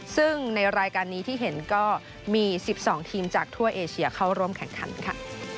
ซึ่งในรายการนี้ที่เห็นก็มี๑๒ทีมจากทั่วเอเชียเข้าร่วมแข่งขันค่ะ